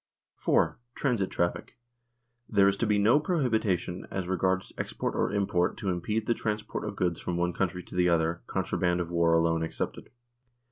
4. Transit traffic. There is to be no prohibi tion as regards export or import to impede the transport of goods from one country to the other, contraband of war alone excepted.